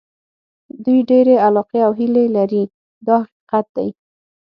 دوی ډېرې علاقې او هیلې لري دا حقیقت دی.